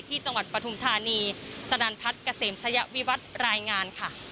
ที่จังหวัดปทุมธานีสพเกษมศยวิวัฒน์รายงาน